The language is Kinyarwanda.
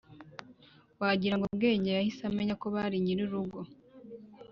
wagira ngo bwenge yahise amenya ko ba nyir'ururugo